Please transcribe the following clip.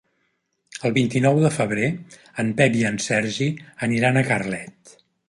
El vint-i-nou de febrer en Pep i en Sergi aniran a Carlet.